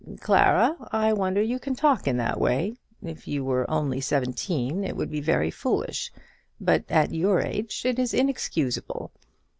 "Clara, I wonder you can talk in that way. If you were only seventeen it would be very foolish; but at your age it is inexcusable.